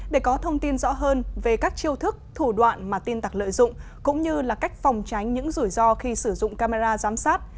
để có thông tin rõ hơn về các chiêu thức thủ đoạn mà tin tặc lợi dụng cũng như là cách phòng tránh những rủi ro khi sử dụng camera giám sát